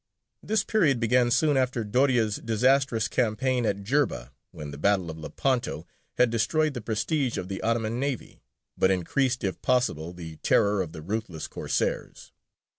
This period began soon after Doria's disastrous campaign at Jerba, when the battle of Lepanto had destroyed the prestige of the Ottoman navy, but increased if possible the terror of the ruthless Corsairs.